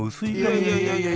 いやいやいや。